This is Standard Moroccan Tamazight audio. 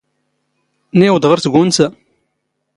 ⵏⵉⵡⴹ ⵖⵔ ⵜⴳⵓⵏⵙⴰ.